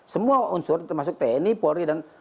semua unsur termasuk tni polri dan